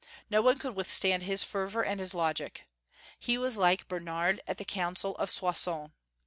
No one could withstand his fervor and his logic. He was like Bernard at the council of Soissons.